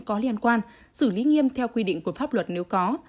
có liên quan xử lý nghiêm theo quy định của pháp luật nếu có